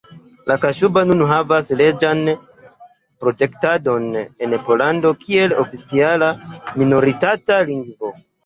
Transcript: La kaŝuba nun havas leĝan protektadon en Pollando kiel oficiala minoritata lingvo.